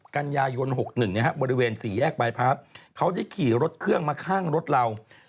กันยายน๖๑บริเวณ๔แยกบายพาร์ทเขาได้ขี่รถเครื่องมาข้างรถเรา